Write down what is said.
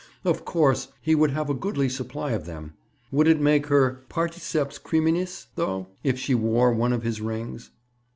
Of course, he would have a goodly supply of them. Would it make her particeps criminis though, if she wore one of his rings?